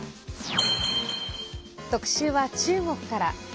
特集は中国から。